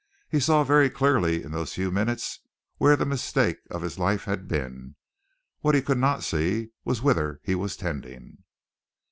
He saw very clearly in those few minutes where the mistake of his life had been. What he could not see was whither he was tending.